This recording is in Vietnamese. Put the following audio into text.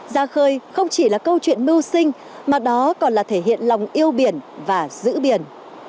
ra khơi không chỉ là câu chuyện mưu sinh mà đó còn là thể hiện lòng yêu biển và giữ biển